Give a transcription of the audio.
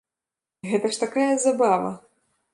Гэта ж такая забава!